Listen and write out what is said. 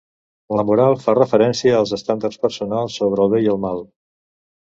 La moral fa referència als estàndards personals sobre el bé i el mal.